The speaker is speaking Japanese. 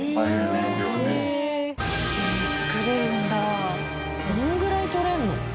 どれぐらい取れるの？